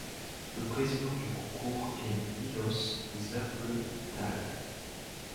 Le président du concours est Miloš Zapletal.